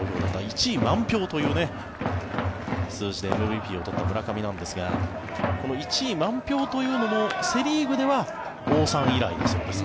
１位、満票という数字でＭＶＰを取った村上なんですがこの１位満票というのもセ・リーグでは王さん以来だそうです